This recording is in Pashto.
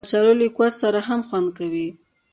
کچالو له کوچ سره هم خوند کوي